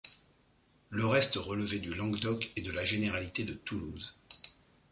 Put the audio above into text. Le reste relevait du Languedoc et de la généralité de Toulouse.